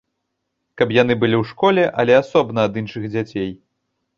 Каб яны былі ў школе, але асобна ад іншых дзяцей.